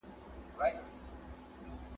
زه په نیمه شپه کي له باران سره راغلی وم !.